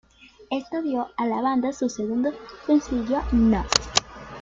Esto dio a la banda su segundo sencillo No.